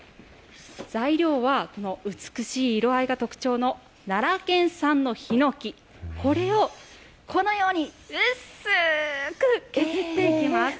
材料はこの美しい色合いが特徴の奈良県産のひのき、これをこのように、薄く削っていきます。